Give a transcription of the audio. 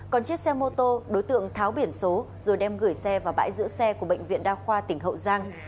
còn chiếc xe mô tô đối tượng tháo biển số rồi đem gửi xe vào bãi giữ xe của bệnh viện đa khoa tỉnh hậu giang